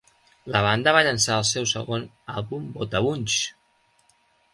La banda va llançar el seu segon àlbum Wotabunch!